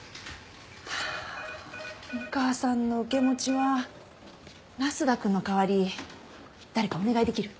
六川さんの受け持ちは那須田くんの代わり誰かお願いできる？